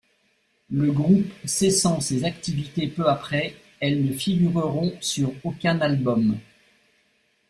Le groupe cessant ses activités peu après, elles ne figureront sur aucun album.